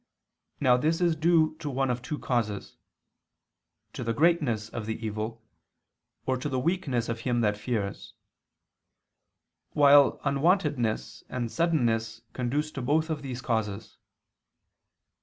Now this is due to one of two causes: to the greatness of the evil, or to the weakness of him that fears; while unwontedness and suddenness conduce to both of these causes.